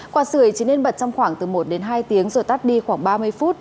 quạt sười chỉ nên bật trong khoảng từ một đến hai tiếng rồi tắt đi khoảng ba mươi phút